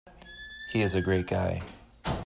He is a great guy.